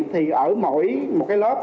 thì ở mỗi một lớp